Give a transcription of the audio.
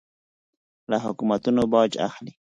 له حکومتونو باج اخلي.